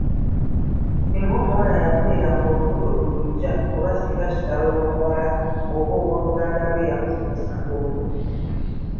Singa omuwala yafuniranga olubuto ku luggya oba singa kitaawe w’omuwala oba ow’oluganda lwe yamufunyisanga olubuto.